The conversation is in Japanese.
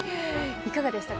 いかがでしたか？